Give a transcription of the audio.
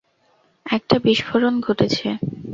একটা বিস্ফোরণ ঘটেছে।